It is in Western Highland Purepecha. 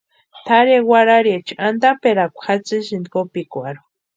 Tʼarhe warhariecha antaperakwa jatsisïnti kopikwarhu.